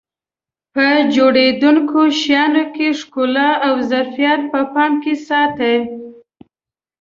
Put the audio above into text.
په جوړېدونکو شیانو کې ښکلا او ظرافت په پام کې ساتي.